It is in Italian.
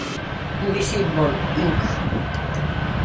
Invisible, Inc.